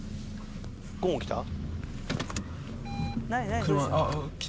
ゴーン来た？